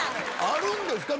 あるんですか？